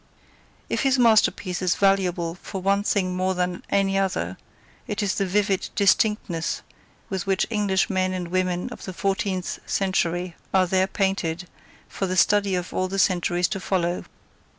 If his masterpiece is valuable for one thing more than any other, it is the vivid distinctness with which English men and women of the fourteenth century are there painted, for the study of all the centuries to follow.